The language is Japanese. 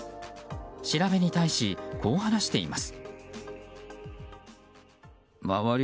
調べに対し、こう話しています。